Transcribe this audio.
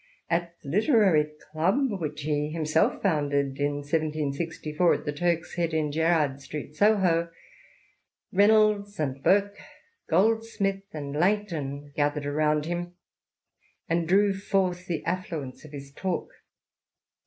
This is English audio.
At the Literary Club — ^which he himself founded in 1764, at the Turk's Head, in Gerrard Street, Soho — Reynolds arid Burke, Gold smith and Langton, gathered around him, and drew forth the affluence of his talk.